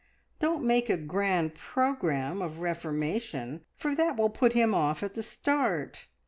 Don't make a grand programme of reformation, for that will put him off at the start.